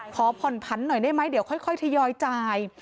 ขอผ่อนผันหน่อยได้ไหมเดี๋ยวค่อยทยอยจ่าย